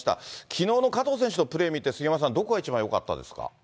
きのうの加藤選手のプレー見て、杉山さん、どこが一番よかったですか。